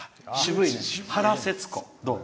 原節子、どう？